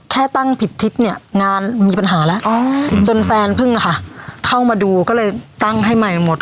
แค่ตั้งผิดทิศเนี่ยงานมีปัญหาแล้วจนแฟนพึ่งอะค่ะเข้ามาดูก็เลยตั้งให้ใหม่หมด